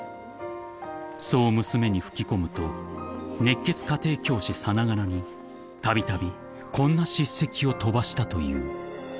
［そう娘に吹き込むと熱血家庭教師さながらにたびたびこんな叱責を飛ばしたという］